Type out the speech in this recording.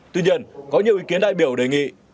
tuy nhiên có nhiều ý kiến đại biểu đề nghị